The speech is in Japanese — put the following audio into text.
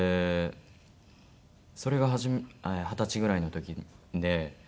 それが二十歳ぐらいの時で。